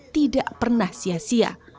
tidak pernah sia sia